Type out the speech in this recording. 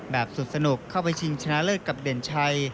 แบบสุดสนุกเข้าไปชิงชนะเลิศกับเด่นชัย